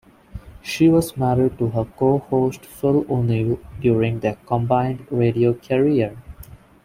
She was married to her co host Phil O'Neil during their combined radio career.